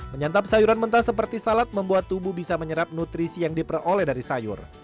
menyantap sayuran mentah seperti salad membuat tubuh bisa menyerap nutrisi yang diperoleh dari sayur